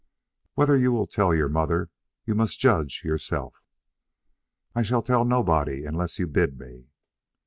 Whether you will tell your mother you must judge yourself." "I shall tell nobody unless you bid me."